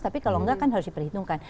tapi kalau enggak kan harus diperhitungkan